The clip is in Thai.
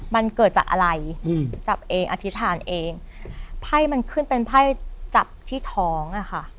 มันเกิดจากอะไรอืมจับเองอธิษฐานเองไพ่มันขึ้นเป็นไพ่จับที่ท้องอ่ะค่ะ